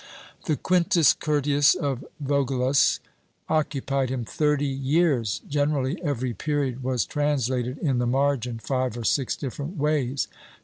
The Quintus Curtius of Vaugelas occupied him thirty years: generally every period was translated in the margin five or six different ways.